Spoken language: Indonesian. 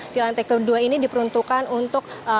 di lantai kedua ini diperuntukkan untuk